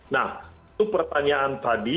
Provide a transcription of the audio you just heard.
nah itu pertanyaan tadi